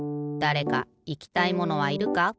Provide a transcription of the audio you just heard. だれかいきたいものはいるか？